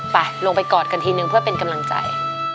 ไปลงไปกอดกันทีนึงเพื่อเป็นกำลังใจ